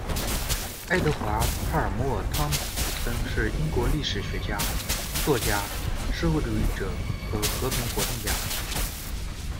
爱德华·帕尔默·汤普森是英国历史学家，作家，社会主义者和和平活动家。